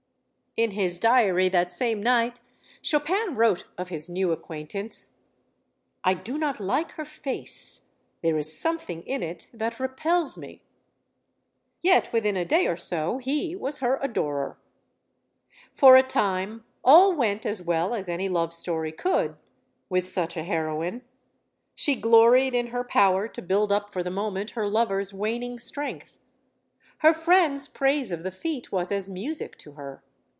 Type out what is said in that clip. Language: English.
In his diary that same night Chopin wrote of his new acquaintance: I do not like her face. There is something in it that repels me. Yet within a day or so he was her adorer. For a time all went as well as any love story could with such a heroine. She gloried in hev power to build up for the moment her lover's waning strength. Her friends* praise of the feat was as music to her.